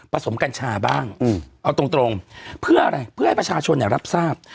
ประสมกันชาบ้างเอาตรงเพื่ออะไรเพื่อให้ประชาชนรับทราบ